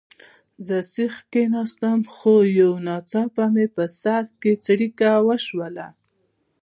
زه سیخ کښېناستم، خو یو ناڅاپه مې په سر کې څړیکه وشول.